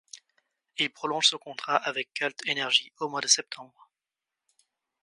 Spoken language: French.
Il prolonge son contrat avec Cult Energy au mois de septembre.